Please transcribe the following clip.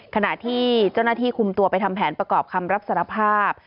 ขณะที่เจ้าหน้าที่คุมตัวไปทำแผนประกอบคำรับสารภาพ